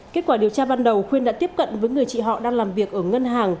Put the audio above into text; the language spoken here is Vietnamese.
kết quả điều tra ban đầu khuyên đã tiếp cận với người chị họ đang làm việc ở ngân hàng